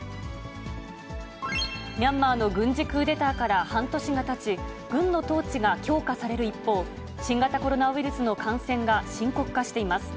ミャンマーの軍事クーデターから半年がたち、軍の統治が強化される一方、新型コロナウイルスの感染が深刻化しています。